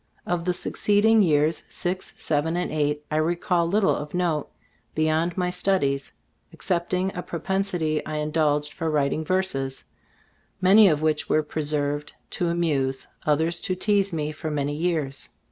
Of the succeeding years, six, seven and eight, I recall little of note beyond my studies, excepting a propensity I indulged for writing verses, many of which were preserved to amuse, oth ers to tease me for many years.